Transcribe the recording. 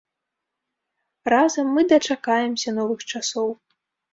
Разам мы дачакаемся новых часоў!